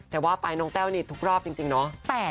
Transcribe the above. แต่ว่าไปน้องแต้วนี่ทุกรอบจริงเนาะ